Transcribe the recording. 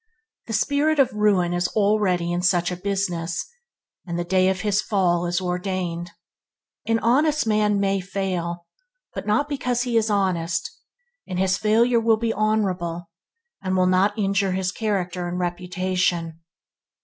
The spirit of ruin is already in such a business, and the day of his fall is ordained. An honest man may fail, but not because he is honest, and his failure will be honourable, and will not injure his character and reputation.